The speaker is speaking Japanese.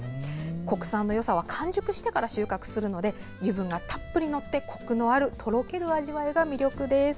国産のよさは完熟してから収穫するので油分がたっぷりのってこくのある、とろける味わいが魅力です。